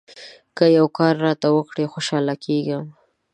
که یو کار راته وکړې ، خوشاله کېږم.